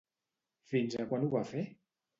Fins a quan ho va fer?